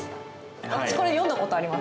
私、これ読んだことあります。